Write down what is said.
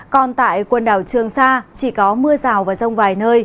còn tại quần đảo trường sa chỉ có mưa rào và rông vài nơi